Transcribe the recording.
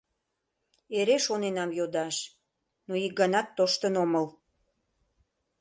Эре шоненам йодаш, но ик ганат тоштын омыл.